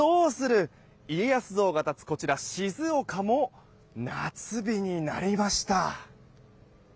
家康像が立つ、こちら静岡も夏日になりました。